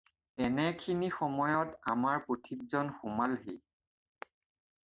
এনে খিনি সময়ত আমাৰ পথিকজন সোমালহি।